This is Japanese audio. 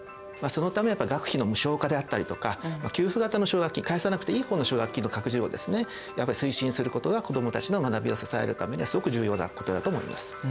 そのため学費の無償化であったりとか給付型の奨学金返さなくていい方の奨学金の拡充を推進することが子どもたちの学びを支えるためにはすごく重要なことだと思います。